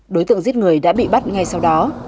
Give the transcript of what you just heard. đối tượng giết người đã bị bắt ngay sau đó